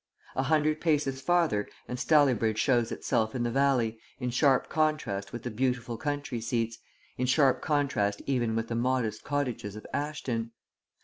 A hundred paces farther and Stalybridge shows itself in the valley, in sharp contrast with the beautiful country seats, in sharp contrast even with the modest cottages of Ashton!